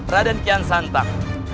raden kian santak